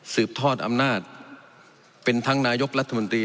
ทอดอำนาจเป็นทั้งนายกรัฐมนตรี